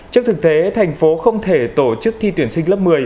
trước thực tế thành phố không thể tổ chức thi tuyển sinh lớp một mươi